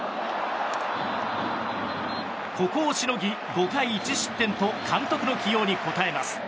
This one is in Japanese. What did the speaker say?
ここをしのぎ、５回１失点と監督の起用に応えます。